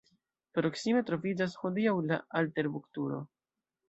Proksime troviĝas hodiaŭ la Alteburg-turo.